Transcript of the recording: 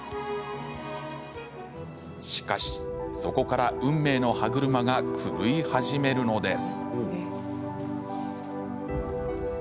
しかし、そこから運命の歯車が狂い始めるのです。